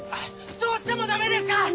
どうしてもダメですか？